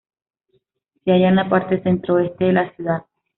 Se halla en la parte centro-oeste de la ciudad.